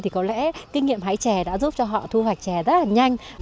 thì có lẽ kinh nghiệm hái trà đã giúp cho họ thu hoạch trà rất là nhanh